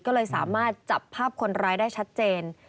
ก็เลยสามารถจับภาพคนร้ายได้ชัดเจน